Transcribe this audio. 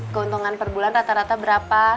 keuntungan per bulan rata rata berapa